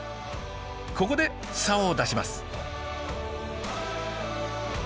ここでサオを出します。